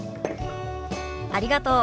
ありがとう。